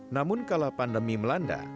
namun kalau pandemi melanda